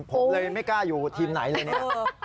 ผมเลยไม่กล้าอยู่ทีมไหนเลยเนี่ย